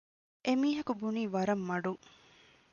އެމީހަކު ބުނީ ވަރަށް މަޑުން